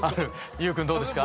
優君どうですか？